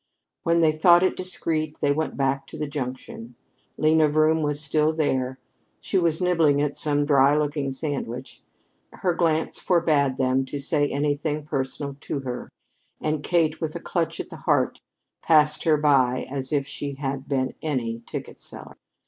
When they thought it discreet, they went back to the junction. Lena Vroom was still there. She was nibbling at some dry looking sandwiches. Her glance forbade them to say anything personal to her, and Kate, with a clutch at the heart, passed her by as if she had been any ticket seller.